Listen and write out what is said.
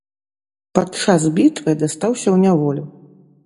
Падчас бітвы дастаўся ў няволю.